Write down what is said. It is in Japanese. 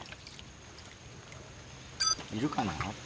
いるかな？